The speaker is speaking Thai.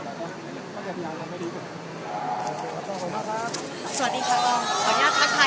สวัสดีครับขออนุญาตถ้าใครถึงแฟนทีลักษณ์ที่เกิดอยู่แล้วค่ะ